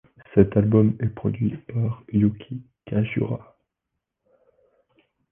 Cet album est produit par Yuki Kajiura.